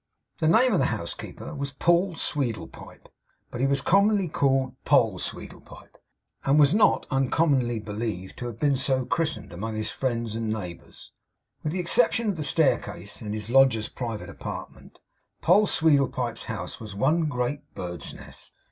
The name of the householder was Paul Sweedlepipe. But he was commonly called Poll Sweedlepipe; and was not uncommonly believed to have been so christened, among his friends and neighbours. With the exception of the staircase, and his lodger's private apartment, Poll Sweedlepipe's house was one great bird's nest.